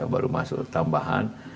baru masuk tambahan